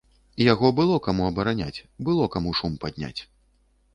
Яго было каму абараняць, было каму шум падняць.